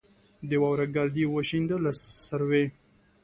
د واورې ګرد یې وشینده له سروې